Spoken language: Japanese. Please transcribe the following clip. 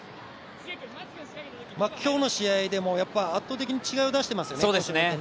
今日の試合でも、やっぱり圧倒的に違いを出していますよね。